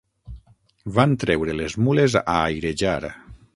Van treure les mules a airejar